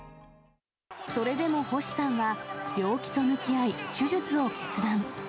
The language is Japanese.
それでも星さんは、病気と向き合い、手術を決断。